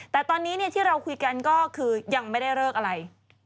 แต่ตอนนี้ที่เราคุยกันก็คือยังไม่ได้เลิกอะไร